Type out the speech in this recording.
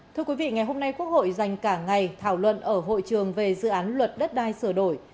thưa quý vị ngày hôm nay quốc hội dành cả ngày thảo luận ở hội trường về dự án luật đất đai sửa đổi